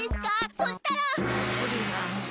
そしたら。